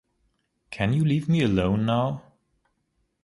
Can you leave me alone now?